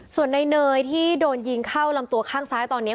ส่วนในเนยที่โดนยิงเข้าลำตัวข้างซ้ายตอนนี้